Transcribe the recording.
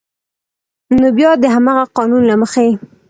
نو بیا د همغه قانون له مخې